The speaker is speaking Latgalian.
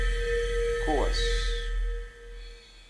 Kuoss.